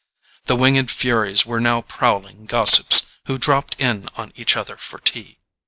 The winged furies were now prowling gossips who dropped in on each other for tea.